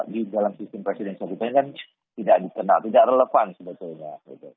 di dalam sistem presiden sebetulnya kan tidak dikenal tidak relevan sebetulnya